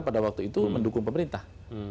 pada waktu itu mendukung pemerintah